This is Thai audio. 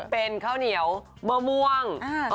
เป็นข้าวเหนียวมะม่วง